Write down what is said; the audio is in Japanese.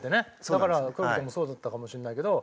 だから黒木君もそうだったかもしれないけど。